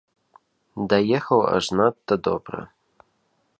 Даехаў аж надта добра.